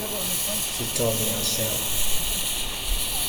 She told me herself.